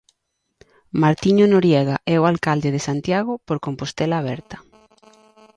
Martiño Noriega é o alcalde de Santiago por Compostela Aberta.